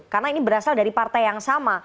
karena ini berasal dari partai yang sama